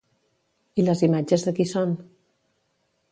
I les imatges de qui són?